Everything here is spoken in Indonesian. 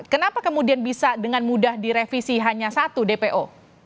kenapa kemudian bisa dengan mudah direvisi hanya satu dpo